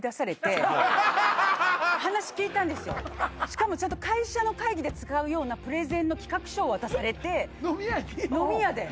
これ私きのうしかもちゃんと会社の会議で使うようなプレゼンの企画書を渡されて飲み屋に？